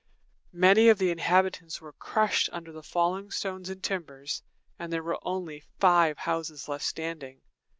Many of the inhabitants were crushed under the falling stones and timbers, and there were only five houses left standing.